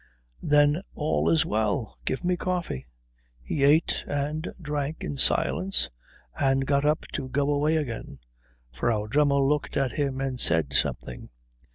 "Then all is well. Give me coffee." He ate and drank in silence, and got up to go away again. Frau Dremmel looked at him and said something.